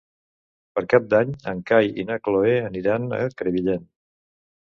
Per Cap d'Any en Cai i na Cloè aniran a Crevillent.